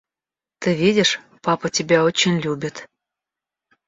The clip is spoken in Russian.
Ты видишь, папа тебя очень любит!